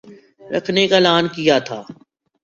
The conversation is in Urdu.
رکھنے کا اعلان کیا تھا